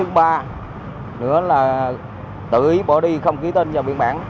thứ ba nữa là tự ý bỏ đi không ký tên vào biện bản